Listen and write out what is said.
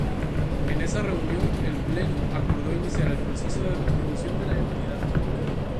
En esa reunión el pleno acordó iniciar el proceso de restitución de la entidad.